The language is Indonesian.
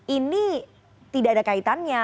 ini tidak ada kaitannya